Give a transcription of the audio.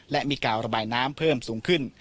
และมีการระบายน้ำเพิ่มสูงขึ้น